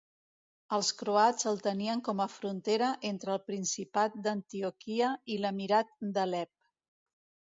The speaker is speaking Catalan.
Els croats el tenien com a frontera entre el principat d'Antioquia i l'emirat d'Alep.